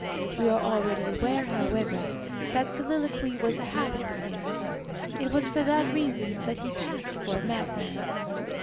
We are already aware, however, that soliloquy was a habit with him. It was for that reason that he passed for a madman.